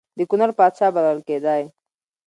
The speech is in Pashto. د کنړ پاچا بلل کېدی.